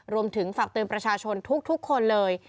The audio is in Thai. รวมถึงฝากเตือนประชาชนทุกคนเลย